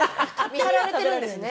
見張られてるんですね。